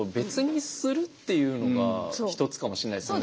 一つかもしんないですね。